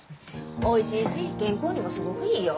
おいしいし健康にもすごくいいよ。